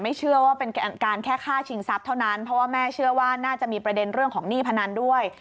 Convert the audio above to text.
เชื่อว่าเป็นการแค่ฆ่าชิงทรัพย์เท่านั้นเพราะว่าแม่เชื่อว่าน่าจะมีประเด็นเรื่องของหนี้พนันด้วย